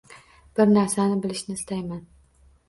Bir narsani bilishni istayman